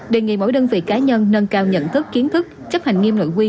đề nghị mỗi đơn vị cá nhân nâng cao nhận thức kiến thức chấp hành nghiêm nội quy